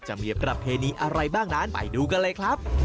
จะมีประเพณีอะไรบ้างนั้นไปดูกันเลยครับ